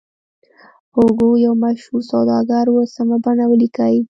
هوګو یو مشهور سوداګر و سمه بڼه ولیکئ.